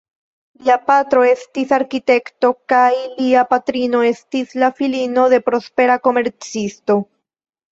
Lia patro estis arkitekto kaj lia patrino estis la filino de prospera komercisto.